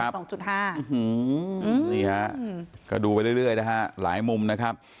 นี่ฮะก็ดูไปเรื่อยนะฮะหลายมุมนะครับ